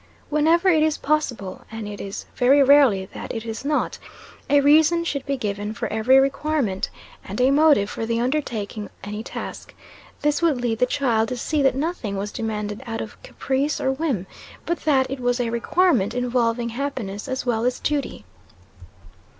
Whenever it is possible (and it is very rarely that it is not), a reason should be given for every requirement, and a motive for the undertaking any task: this would lead the child to see that nothing was demanded out of caprice or whim, but that it was a requirement involving happiness as well as duty.